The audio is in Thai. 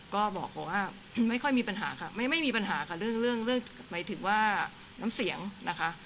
ก็บอกว่าไม่ค่อยมีปัญหาค่ะไม่มีปัญหาค่ะเรื่องเรื่องหมายถึงว่าน้ำเสียงนะคะ